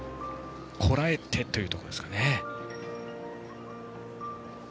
こらえて、というところですかね。